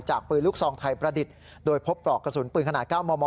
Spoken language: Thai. ปืนลูกซองไทยประดิษฐ์โดยพบปลอกกระสุนปืนขนาด๙มม